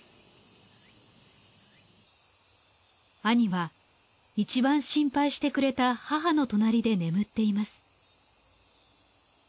兄は一番心配してくれた母の隣で眠っています。